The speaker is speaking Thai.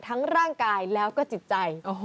ทั้งร่างกายแล้วก็จิตใจ